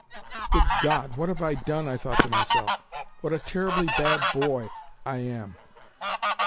"Good God! What have I done?" I thought to myself. "What a terribly bad boy I am!"